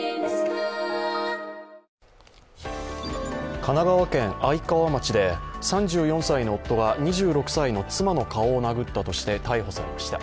神奈川県愛川町で３４歳の夫が２６歳の妻の顔を殴ったとして逮捕されました。